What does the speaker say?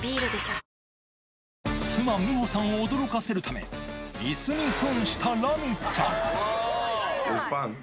妻、美保さんを驚かせるため、いすにふんしたラミちゃん。